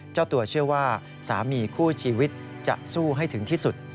เจ้าตัวเชื่อว่าสามีคู่ชีวิตจะสู้ให้ถึงที่สุด